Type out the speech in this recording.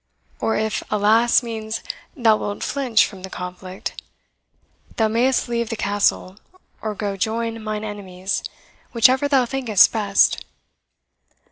Or, if ALAS means thou wilt flinch from the conflict, thou mayest leave the Castle, or go join mine enemies, whichever thou thinkest best."